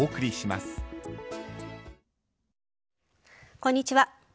こんにちは。